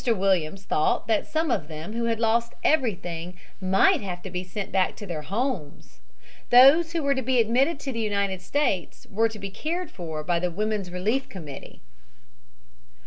Williams thought that some of them who had lost everything might have to be sent back to their homes. Those who were to be admitted to the United States were to be cared for by the Women's Relief Committee.